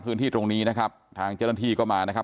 พื้นที่ตรงนี้นะครับทางเจ้าหน้าที่ก็มานะครับ